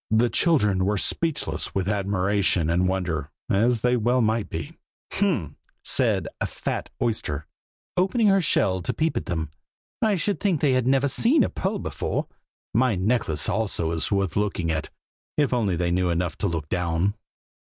The children were speechless with admiration and wonder, as they well might be. "H'm!" said a fat oyster, opening her shell to peep at them, "I should think they had never seen a pearl before. My necklace also is worth looking at, if they only knew enough to look down."